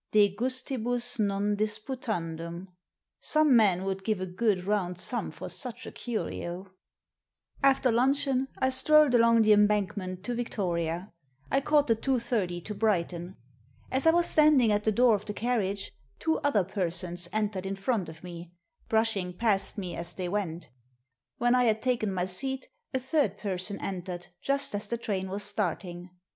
De gustibus non disputandum^ Some men would give a good round sum for such a curio I Digitized by VjOOQIC 64 THE SEEN AND THE UNSEEN After luncheon I strolled along the Embankment to Victoria. I caught the 2.30 to Brighton. As I was standing at the door of the carriage two other persons entered in front of me^brushing past me as they went When I had taken my seat a third person entered just as the train was starting.